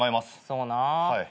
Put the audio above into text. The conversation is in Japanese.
そうなぁ。